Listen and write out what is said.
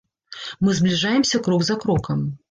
Мы збліжаемся крок за крокам.